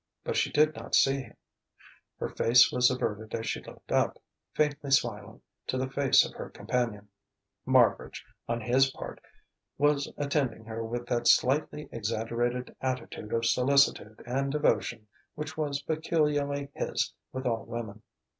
But she did not see him; her face was averted as she looked up, faintly smiling, to the face of her companion. Marbridge, on his part, was attending her with that slightly exaggerated attitude of solicitude and devotion which was peculiarly his with all women.